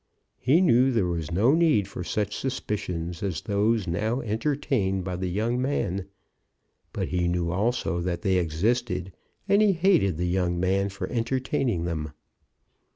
He knew there was no need for such suspicions as those now entertained by the young man; but he knew also that they existed, and he hated the young man for entertaining them.